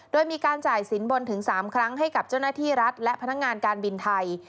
โดยมีการจ่ายสินบนถึง๓ครั้งให้กับเจ้าหน้าที่รัฐและพนักงานการบินไทย